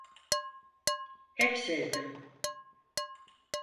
Hep sevdim.